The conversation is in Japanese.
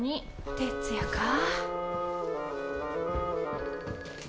徹夜かぁ。